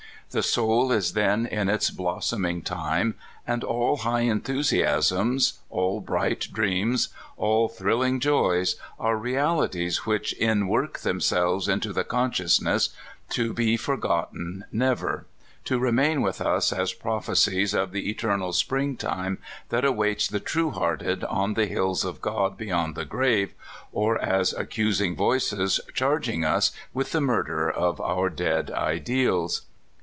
The soul is then in its blossoming time, and all high enthusiasms, all 64 CALIFORNIA SKETCHES. bright dreams, all thrilling joys, are realities which inwork themselves into the consciousness, to be for gotten never; to remain with us as prophecies of the eternal spring time that awaits the true hearted bu the hills of God beyond the grave, or as accus ing voices charging us with the murder of our dead ideals!